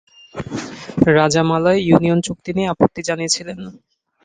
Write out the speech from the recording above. রাজা Malay Union চুক্তি নিয়ে আপত্তি জানিয়েছিলেন।